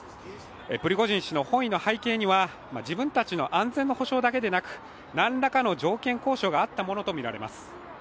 プリゴジン氏の翻意の背景には、自分たちの安全の保障だけでなく何らかの条件交渉があったものとみられます。